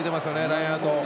ラインアウト。